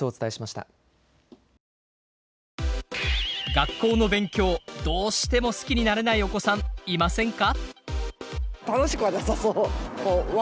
学校の勉強どうしても好きになれないお子さんいませんか？